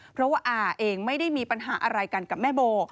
เพราะว่าอาเองไม่ได้มีปัญหาอะไรกันกับแม่โบ